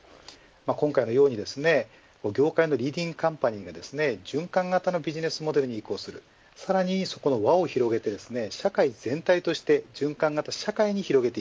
今回のように業界のリーディングカンパニーが循環型のビジネスモデルに移行するさらに、そこの輪を広げて社会全体として循環型社会に広げる。